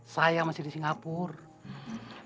saya masih di singapura